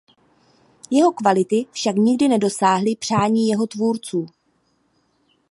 Jeho kvality však nikdy nedosáhly přání jeho tvůrců.